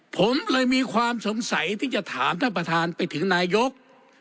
ผมเลยมีความสงสัยที่จะถามท่านประธานไปถึงนายก